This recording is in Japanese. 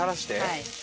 はい。